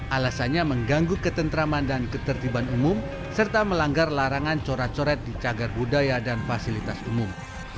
alasannya mengganggu ketentraman dan ketertiban umum serta melanggar larangan corak coret di cagar budaya dan fasilitas umum